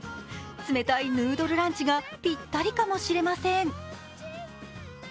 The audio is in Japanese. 冷たいヌードルランチがぴったりかもしれません。